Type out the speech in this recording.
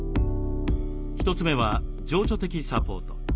１つ目は情緒的サポート。